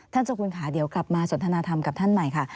เจ้าคุณค่ะเดี๋ยวกลับมาสนทนาธรรมกับท่านใหม่ค่ะ